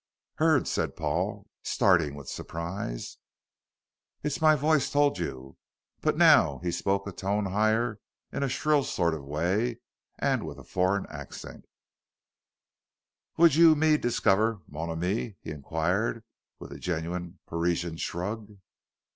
"Hurd," said Paul, starting with surprise. "It's my voice told you. But now " he spoke a tone higher in a shrill sort of way and with a foreign accent "vould you me discover, mon ami?" he inquired, with a genuine Parisian shrug.